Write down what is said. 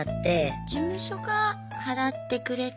事務所が払ってくれて。